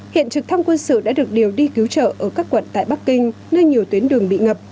hiện trực thăng quân sự đã được điều đi cứu trợ ở các quận tại bắc kinh nơi nhiều tuyến đường bị ngập